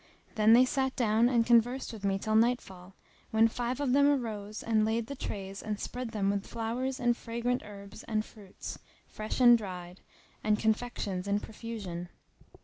Then they sat down and conversed with me till nightfall, when five of them arose and laid the trays and spread them with flowers and fragrant herbs and fruits, fresh and dried, and confections in profusion.